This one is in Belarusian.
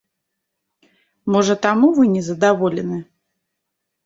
Можа таму вы незадаволены?